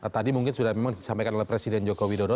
tadi mungkin sudah memang disampaikan oleh presiden joko widodo